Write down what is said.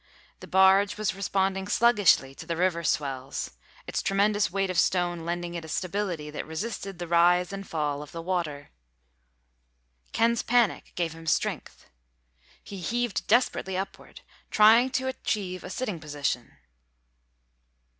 The barge was responding sluggishly to the river swells, its tremendous weight of stone lending it a stability that resisted the rise and fall of the water. Ken's panic gave him strength. He heaved desperately upward, trying to achieve a sitting position.